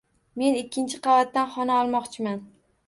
Men ikkinchi qavatdan xona olmoqchiman.